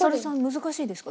難しいですか？